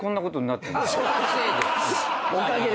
おかげで。